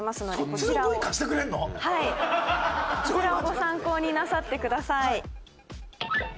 「こちらをご参考になさってください」